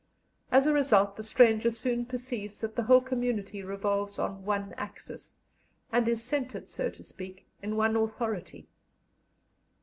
As a result the stranger soon perceives that the whole community revolves on one axis, and is centred, so to speak, in one authority.